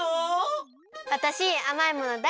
わたしあまいものだいすきなの。